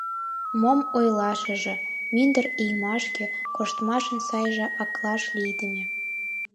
Мом ойлашыже, мӱндыр иймашке коштмашын сайже аклаш лийдыме.